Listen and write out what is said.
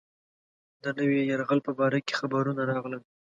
د نوي یرغل په باره کې خبرونه راغلل.